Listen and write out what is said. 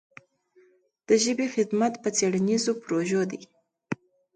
د ژبې خدمت په څېړنیزو پروژو دی.